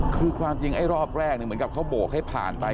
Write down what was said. คือความจริงไอ้รอบแรกเหมือนกับเขาโบกให้ผ่านไป